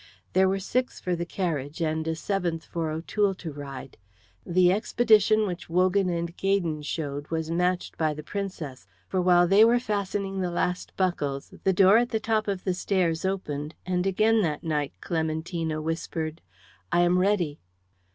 There were six for the carriage, and a seventh for O'Toole to ride. The expedition which Wogan and Gaydon showed was matched by the Princess. For while they were fastening the last buckles, the door at the top of the stairs opened, and again that night Clementina whispered, "I am ready."